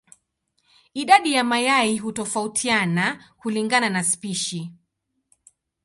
Idadi ya mayai hutofautiana kulingana na spishi.